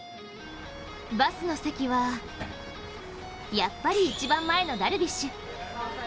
バスの席はやっぱり一番前のダルビッシュ。